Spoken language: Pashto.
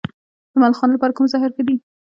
د ملخانو لپاره کوم زهر ښه دي؟